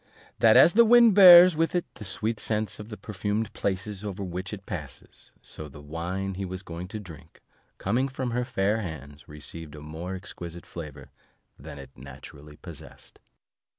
That as the wind bears with it the sweet scents of the purfumed places over which it passes, so the wine he was going to drink, coming from her fair hands, received a more exquisite flavour than it naturally possessed.